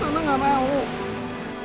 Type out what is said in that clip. mama gak mau